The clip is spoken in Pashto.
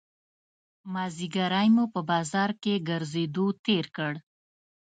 مازیګری مو په بازار کې ګرځېدو تېر کړ.